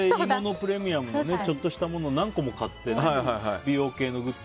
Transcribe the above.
プレミアムのちゃんとしたものを何個も買って美容系のグッズ